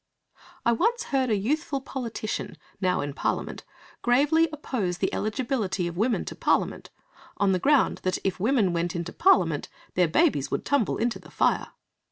I once heard a youthful politician, now in Parliament, gravely oppose the eligibility of women to Parliament, on the ground that, if women went into Parliament, their babies would tumble into the fire.